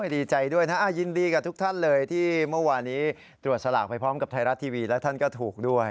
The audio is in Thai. ดีใจด้วยนะยินดีกับทุกท่านเลยที่เมื่อวานี้ตรวจสลากไปพร้อมกับไทยรัฐทีวีและท่านก็ถูกด้วย